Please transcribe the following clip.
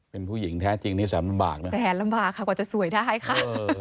เป็นผู้หญิงแท้จริงนี่แสนลำบากนะแสนลำบากค่ะกว่าจะสวยได้ค่ะ